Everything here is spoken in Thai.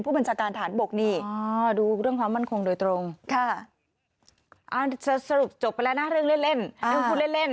อยู่คุณเล่น